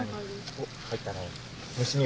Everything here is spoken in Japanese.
おっ入ったね。